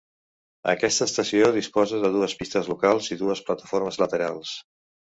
Aquesta estació disposa de dues pistes locals i dues plataformes laterals.